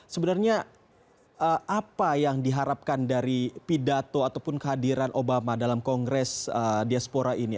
sebenarnya apa yang diharapkan dari pidato ataupun kehadiran obama dalam kongres diaspora ini